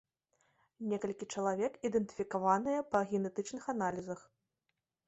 Некалькі чалавек ідэнтыфікаваныя па генетычных аналізах.